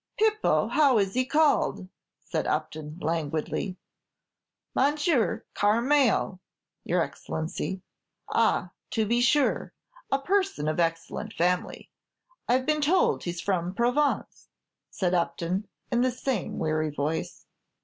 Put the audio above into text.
"Pipo, how is he called?" said Upton, languidly. "Monsieur Carmael, your Excellency." "Ah, to be sure; a person of excellent family. I've been told he's from Provence," said Upton, in the same weary voice.